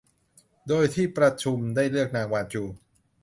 โดยที่ประชุมได้เลือกนางวานจู